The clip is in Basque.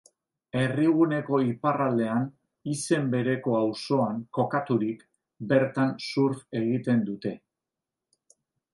Herriguneko iparraldean, izen bereko auzoan, kokaturik, bertan surf egiten dute.